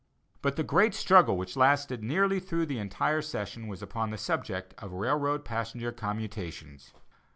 But the great struggle which lasted nearly through the entire session was upon the subject of railroad passenger commutations.